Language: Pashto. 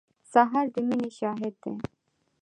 سهار د مینې شاهد دی.